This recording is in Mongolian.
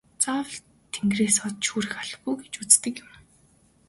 Заавал тэнгэрээс од шүүрэх албагүй гэж үздэг юм.